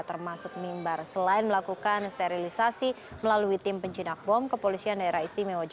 termasuk mimbar selain melakukan sterilisasi melalui tim penjinak bom kepolisian daerah istimewa yogyakarta